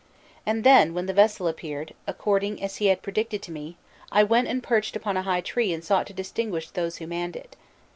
"And then, when the vessel appeared, according as he had predicted to me, I went and perched upon a high tree and sought to distinguish those who manned it.